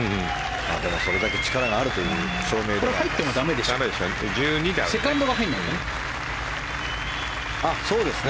でもそれだけ力があるという証明でもありますね。